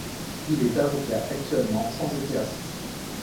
Il est avocat actuellement sans exercice.